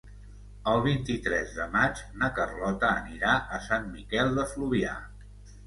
El vint-i-tres de maig na Carlota anirà a Sant Miquel de Fluvià.